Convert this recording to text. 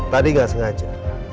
tadi gak sengaja